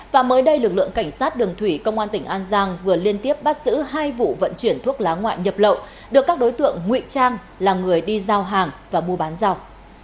và mới đây lực lượng cảnh sát đường thủy công an tỉnh an giang vừa liên tiếp bắt xử hai vụ vận chuyển thuốc lá ngoại nhập lậu được các đối tượng nguy trang là người đi giao hàng và mua bán giao